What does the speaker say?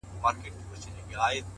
د ځان اصلاح ستره بریا ده؛